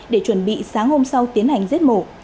để chuẩn bị sáng hôm sau tiến hành giết mổ